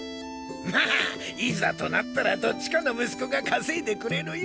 まあいざとなったらどっちかの息子が稼いでくれるよ。